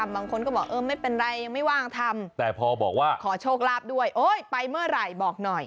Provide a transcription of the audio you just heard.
ไปยังไม่ว่างทำแต่พอบอกว่าขอโชครับด้วยโอ้ยไปเมื่อไรบอกหน่อย